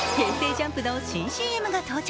ＪＵＭＰの新ＣＭが到着。